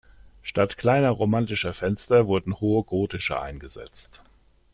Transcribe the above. Statt kleiner romanischer Fenster wurden hohe gotische eingesetzt.